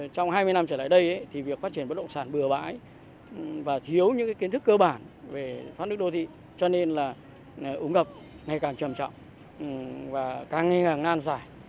trở lại đây thì việc phát triển bất động sản bừa bãi và thiếu những kiến thức cơ bản về phát nước đô thị cho nên là ủng hộp ngày càng trầm trọng và càng nhanh càng dài